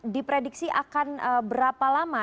diprediksi akan berapa lama